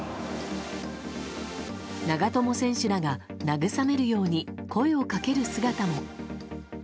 長友選手らが慰めるように声をかける姿も。